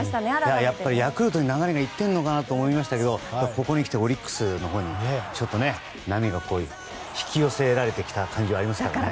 やっぱりヤクルトに流れがいっているのかなと思いましたがここにきてオリックスのほうに波が引き寄せられてきた感じがありますね。